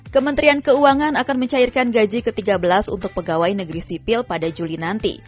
kementerian keuangan akan mencairkan gaji ke tiga belas untuk pegawai negeri sipil pada juli nanti